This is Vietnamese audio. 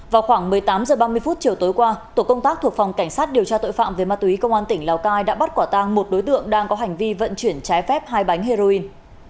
vào khoảng một mươi tám h ba mươi chiều tối qua tổ công tác thuộc phòng cảnh sát điều tra tội phạm về ma túy công an tỉnh lào cai đã bắt quả tang một đối tượng đang có hành vi vận chuyển trái phép hai bánh heroin